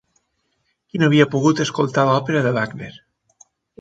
Qui no havia pogut escoltar l'òpera de Wagner?